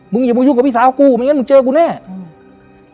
อย่ามายุ่งกับพี่สาวกูไม่งั้นมึงเจอกูแน่อืม